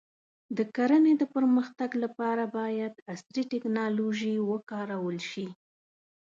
د کرنې د پرمختګ لپاره باید عصري ټکنالوژي وکارول شي.